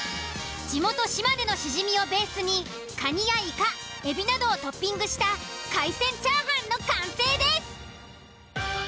地元島根のシジミをベースにカニやイカエビなどをトッピングした海鮮チャーハンの完成です。